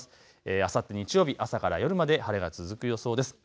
あさって日曜日、朝から夜まで晴れが続く予想です。